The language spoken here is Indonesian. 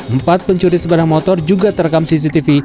empat pencuri sepeda motor juga terekam cctv